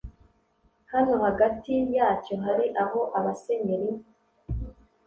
Hano hagati yacyo hari aho abasenyeri